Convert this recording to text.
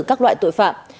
các loại tội phạm